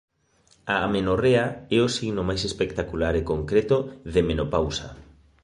A amenorrea é o signo máis espectacular e concreto de menopausa.